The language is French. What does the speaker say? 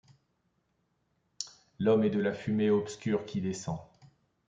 L’homme est de la fumée obscure qui descend.